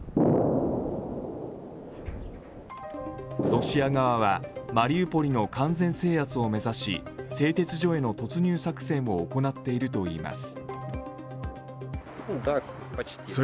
ロシア側はマリウポリの完全制圧を目指し製鉄所への突入作戦を行っているといいます。